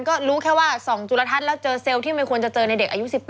ก็รู้แค่ว่าส่องจุลทัศน์แล้วเจอเซลล์ที่ไม่ควรจะเจอในเด็กอายุ๑๘